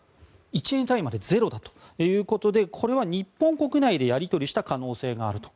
１円単位までゼロだということでこれは日本国内でやり取りした可能性があると。